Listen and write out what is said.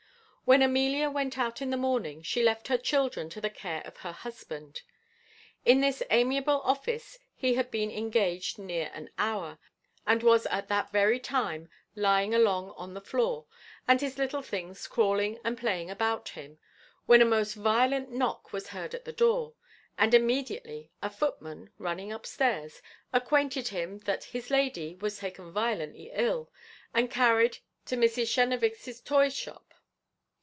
When Amelia went out in the morning she left her children to the care of her husband. In this amiable office he had been engaged near an hour, and was at that very time lying along on the floor, and his little things crawling and playing about him, when a most violent knock was heard at the door; and immediately a footman, running upstairs, acquainted him that his lady was taken violently ill, and carried into Mrs. Chenevix's toy shop.